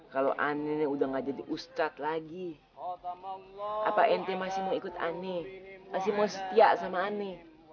kalau ane ini udah gak jadi ustadz lagi apa ente masih mau ikut ane masih mau setia sama ane